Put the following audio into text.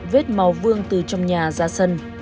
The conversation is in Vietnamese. vết màu vương từ trong nhà ra sân